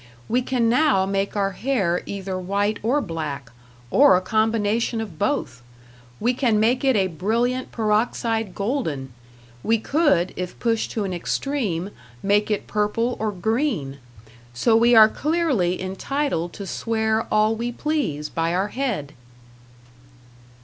We can now make our hair either white or black, or a combination of both. We can make it a brilliant peroxide golden; we could, if pushed to an extreme, make it purple or green. So we are clearly entitled to swear all we please by our head.